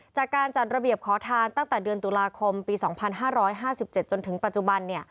จัดระเบียบขอทานตั้งแต่เดือนตุลาคมปี๒๕๕๗จนถึงปัจจุบัน